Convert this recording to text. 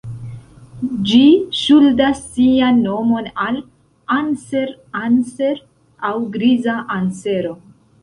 Ĝi ŝuldas sian nomon al "Anser Anser" aŭ griza ansero.